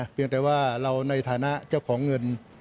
เพียงแต่ว่าเราในฐานะเจ้าของเงิน